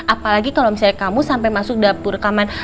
apalagi kalau misalnya kamu sampai masuk dapur kamar